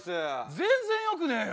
全然よくねえよ。